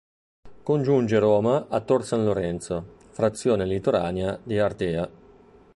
Congiunge Roma a Tor San Lorenzo, frazione litoranea di Ardea.